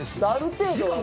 ある程度。